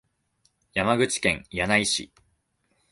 山口県柳井市